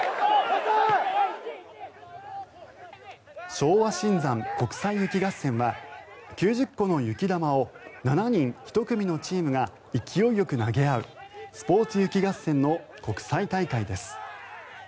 昭和新山国際雪合戦は９０個の雪玉を７人１組のチームが勢いよく投げ合うスポーツ雪合戦の国際大会です。